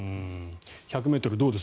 １００ｍどうです？